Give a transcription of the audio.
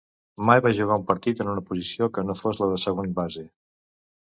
Mai va jugar un partit en una posició que no fos la de segon base.